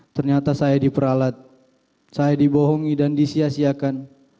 ternyata saya diperalat saya dibohongi dan disiasiakan